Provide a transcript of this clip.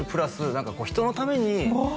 何か人のためにおおっ